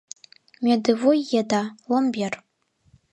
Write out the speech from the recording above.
Мӧдывуй еда — ломбер